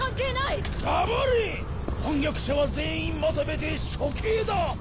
反逆者は全員まとめて処刑だ！